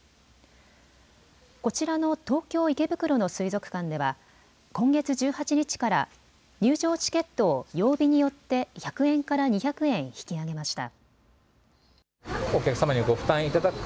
こちらの東京池袋の水族館では今月１８日から入場チケットを曜日によって１００円から２００円引き上げました。